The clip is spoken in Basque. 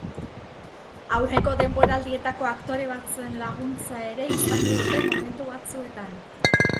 Aurreko denboraldietako aktore batzuen laguntza ere izango dute momentu batzuetan.